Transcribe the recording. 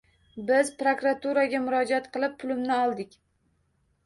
Biz prokuraturaga murojaat qilib, pulimni oldik